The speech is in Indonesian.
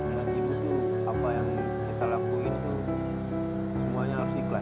seharusnya gitu apa yang kita lakuin tuh semuanya harus ikhlas